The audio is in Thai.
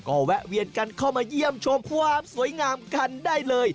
ก็แวะเวียนกันเข้ามาเยี่ยมชมความสวยงามกันได้เลย